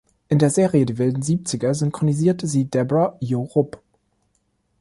In der Serie "Die wilden Siebziger" synchronisierte sie Debra Jo Rupp.